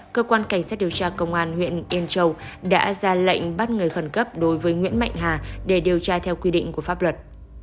cơ quan cảnh sát điều tra công an huyện yên châu đã ra lệnh bắt người khẩn cấp đối với nguyễn mạnh hà để điều tra theo quy định của pháp luật